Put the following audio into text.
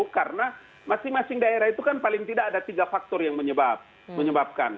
karena masing masing daerah itu kan paling tidak ada tiga faktor yang menyebabkan